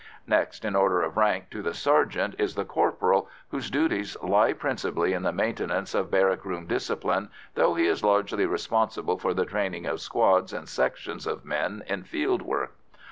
Next in order of rank to the sergeant is the corporal, whose duties lie principally in the maintenance of barrack room discipline, though he is largely responsible for the training of squads and sections of men in field work.